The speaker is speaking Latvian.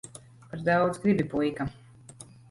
Par daudz gribi, puika.